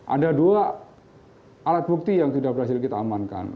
ada dua alat bukti yang sudah berhasil kita amankan